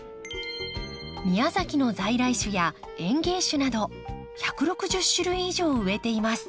宮崎の在来種や園芸種など１６０種類以上を植えています。